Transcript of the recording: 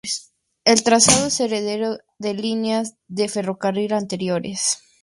El trazado es heredero de líneas de ferrocarril anteriores.